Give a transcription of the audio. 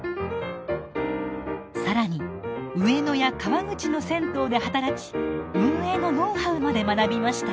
更に上野や川口の銭湯で働き運営のノウハウまで学びました。